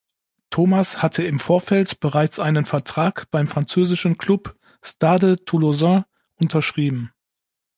Thomas hatte im Vorfeld bereits einen Vertrag beim französischen Club Stade Toulousain unterschrieben.